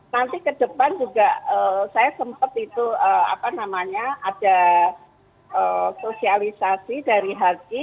nanti ke depan juga saya sempat itu apa namanya ada sosialisasi dari haji